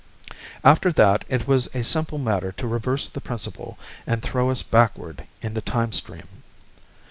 After that, it was a simple matter to reverse the principle and throw us backward in the time stream.